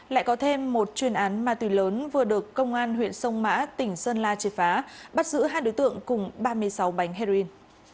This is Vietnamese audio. lại có thêm một chuyên án ma tùy lớn vừa được công an huyện sông mã tỉnh sơn la triệt phá bắt giữ hai đối tượng cùng ba mươi sáu bánh heroin